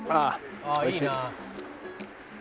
「ああいいな」